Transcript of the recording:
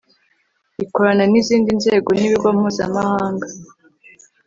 ikorana n izindi nzego n ibigo mpuzamahanga